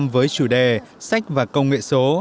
với chủ đề sách và công nghệ số